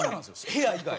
部屋以外。